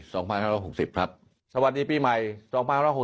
สองพันห้าร้อยหกสิบครับสวัสดีปีใหม่สองพันร้อยหก